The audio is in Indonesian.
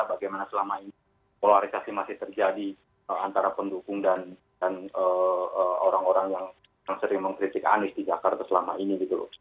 bagaimana selama ini polarisasi masih terjadi antara pendukung dan orang orang yang sering mengkritik anies di jakarta selama ini gitu loh